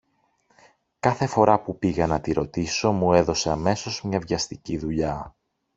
Κάθε φορά που πήγα να τη ρωτήσω μου έδωσε αμέσως μια βιαστική δουλειά.